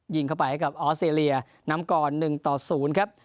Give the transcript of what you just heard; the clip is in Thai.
ยิงเข้าไปให้กับออสเตรเลียนำก่อน๑ต่อ๐ครับ